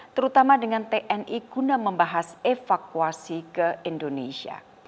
terutama dengan tni guna membahas evakuasi ke indonesia